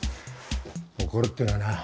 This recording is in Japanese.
怒るっていうのはな